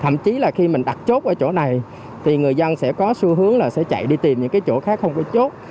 thậm chí là khi mình đặt chốt ở chỗ này thì người dân sẽ có xu hướng là sẽ chạy đi tìm những cái chỗ khác không có chốt